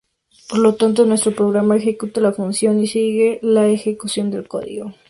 Por lo tanto, nuestro programa ejecuta la función y sigue la ejecución del código.